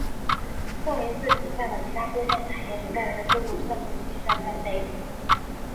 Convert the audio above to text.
少林寺旗下的其它各项产业所带来的收入尚未计算在内。